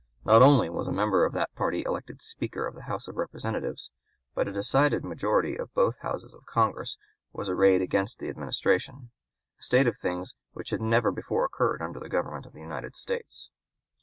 Not only was a member of that party elected Speaker of the House of Representatives, but a decided majority of both Houses of Congress was arrayed against the Administration "a state of things which had never before occurred under the Government of the United States."